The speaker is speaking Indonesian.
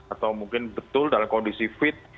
atau mungkin betul dalam kondisi fit